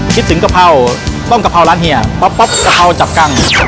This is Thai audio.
คิดถึงกะเพราต้มกะเพราร้านเฮียป๊อปกะเพราจับกัง